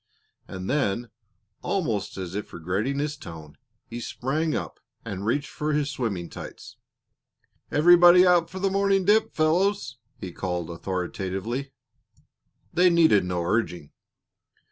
And then, almost as if regretting his tone, he sprang up and reached for his swimming tights. "Everybody out for the morning dip, fellows," he called authoritatively. They needed no urging.